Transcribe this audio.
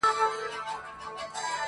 تا زما د لاس نښه تعويذ کړه په اوو پوښو کي_